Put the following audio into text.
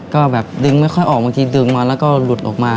ก็แบบดึงไม่ค่อยออกบางทีดึงมาแล้วก็หลุดออกมา